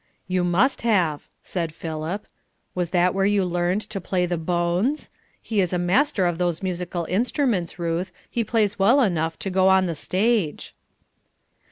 "You must have," said Philip. "Was that where you learned to play the bones? He is a master of those musical instruments, Ruth; he plays well enough to go on the stage."